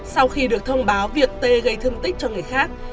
sau khi được thông báo việc tê gây thương tích cho người khác